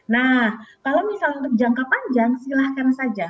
nah kalau misalnya untuk jangka panjang silahkan saja